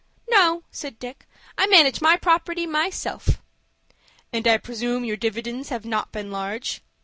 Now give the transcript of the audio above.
"No," said Dick; "I manage my property myself." "And I presume your dividends have not been large?"